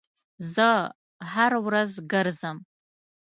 زه هر ورځ ګرځم